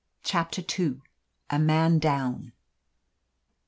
CHAPTER II. A MAN DOWN.